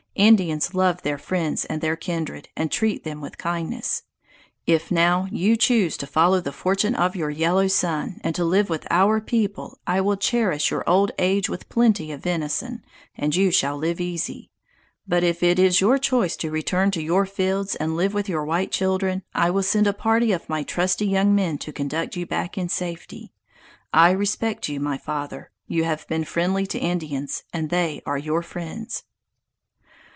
Indians love their friends and their kindred, and treat them with kindness. If now you choose to follow the fortune of your yellow son, and to live with our people, I will cherish your old age with plenty of venison, and you shall live easy: But if it is your choice to return to your fields and live with your white children, I will send a party of my trusty young men to conduct you back in safety. I respect you, my father; you have been friendly to Indians, and they are your friends."